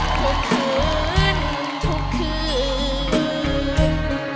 ทุกคืนทุกคืน